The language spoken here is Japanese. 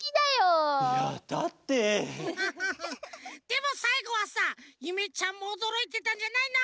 でもさいごはさゆめちゃんもおどろいてたんじゃないの？